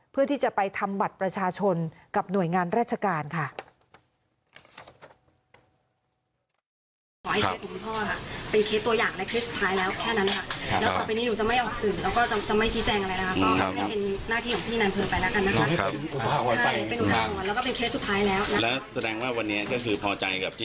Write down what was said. เพื่อที่จะไปทำบัตรประชาชนกับหน่วยงานราชการค่ะ